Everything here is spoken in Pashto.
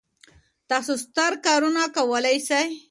تاسو ستر کارونه کولای سئ.